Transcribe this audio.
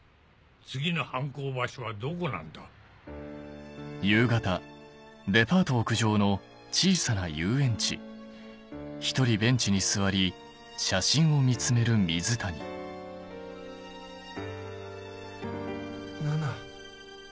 次の犯行場所はどこなんだ？なな。